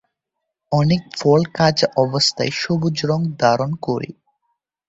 অনেক ফল কাঁচা অবস্থায় সবুজ রং ধারণ করে।